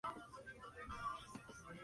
Es susceptible a las heladas.